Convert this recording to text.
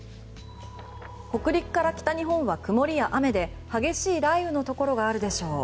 北陸から北日本は曇りや雨で激しい雷雨のところがあるでしょう。